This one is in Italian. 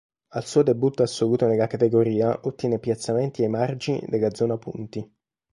Al suo debutto assoluto nella categoria ottiene piazzamenti ai margini della zona punti.